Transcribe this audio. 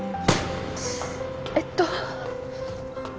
えっと。